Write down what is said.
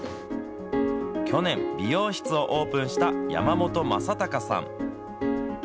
去年、美容室をオープンした山本雅孝さん。